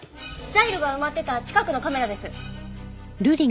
ザイルが埋まってた近くのカメラです。